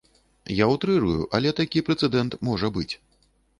Я ўтрырую, але такі прэцэдэнт можа быць.